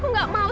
aku gak mau